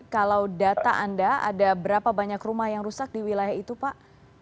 kalau data anda ada berapa banyak rumah yang rusak di wilayah itu pak